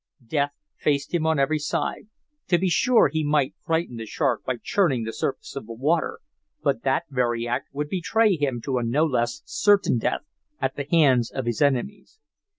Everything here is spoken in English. Death faced him on every side. To be sure he might frighten the shark by churning the surface of the water, but that very act would betray him to a no less certain death at the hands of his enemies.